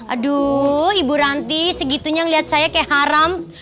aduh ibu ranti segitunya ngelihat saya kayak haram